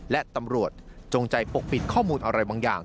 และตำรวจจงใจปกปิดข้อมูลอะไรบางอย่าง